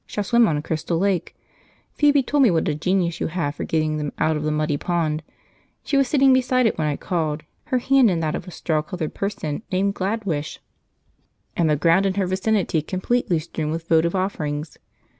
If you shall swim on a crystal lake Phoebe told me what a genius you have for getting them out of the muddy pond; she was sitting beside it when I called, her hand in that of a straw coloured person named Gladwish, and the ground in her vicinity completely strewn with votive offerings.